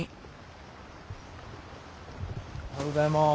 おはようございます。